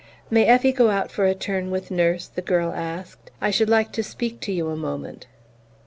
"May Effie go out for a turn with Nurse?" the girl asked. "I should like to speak to you a moment."